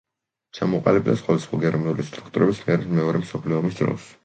ჩამოყალიბდა სხვადასხვა გერმანული სტრუქტურების მიერ მეორე მსოფლიო ომის დროს.